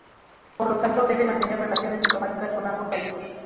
Por lo tanto, debe mantener relaciones diplomáticas con ambos países.